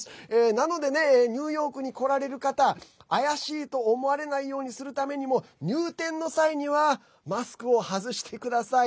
なのでねニューヨークに来られる方怪しいと思われないようにするためにも入店の際にはマスクを外してください。